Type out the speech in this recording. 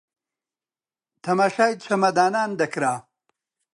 تەماشای چەمەدانان دەکرا